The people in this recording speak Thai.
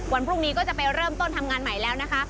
วันพรุ่งนี้ก็จะไปเริ่มต้นทำงานใหม่แล้วนะคะ